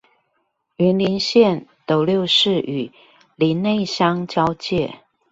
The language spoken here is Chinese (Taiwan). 雲林縣斗六市與林內鄉交界